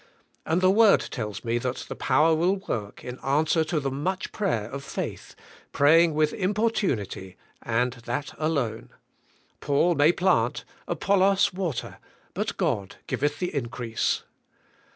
And the word tells me that the power will work in answer to the much prayer of faith, praying with importunity, and that alone. ' 'Paul may plant, Apollos water, but God giveth the increase."